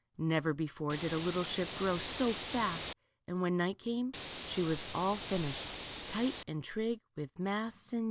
Never before did a little ship grow so fast, and when night came she was all finished, tight and trig, with masts and 1 J } t.